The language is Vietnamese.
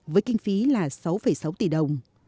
với kinh phí là sáu sáu tỷ đồng